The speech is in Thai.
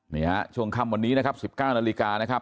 นี่ฮะช่วงค่ำวันนี้นะครับ๑๙นาฬิกานะครับ